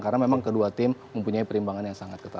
karena memang kedua tim mempunyai perimbangan yang sangat ketat